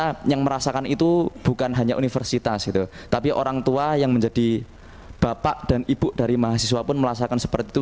karena yang merasakan itu bukan hanya universitas gitu tapi orang tua yang menjadi bapak dan ibu dari mahasiswa pun merasakan seperti itu